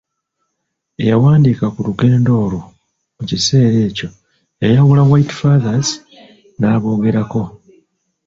Eyawandiika ku lugendo olwo mu kiseera ekyo yayawula White Fathers n'aboogerako.